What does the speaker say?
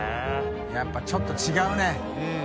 やっぱちょっと違うね。